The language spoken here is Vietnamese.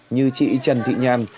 như chị trần thị nhàn